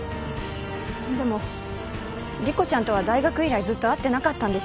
でも理子ちゃんとは大学以来ずっと会ってなかったんでしょ？